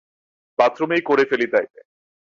বাথরুমেই করে ফেলি, তাইলে?